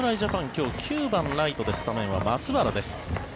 今日、９番ライトでスタメンは松原です。